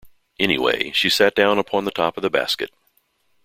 Anyway, she sat down upon the top of the basket.